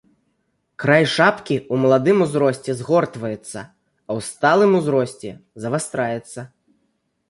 Край шапкі ў маладым узросце згортваецца, а ў сталым узросце завастраецца.